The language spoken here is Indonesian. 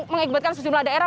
mengibatkan sejumlah daerah